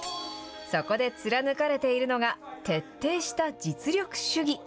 そこで貫かれているのが、徹底した実力主義。